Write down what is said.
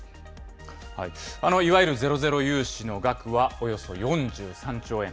いわゆるゼロゼロ融資の額はおよそ４３兆円。